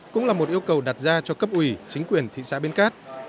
cũng là một yêu cầu đặt ra cho cấp ủy chính quyền thị xã bến cát